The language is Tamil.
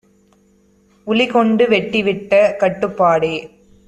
உளிகொண்டு வெட்டிவிட்ட கட்டுப்பாடே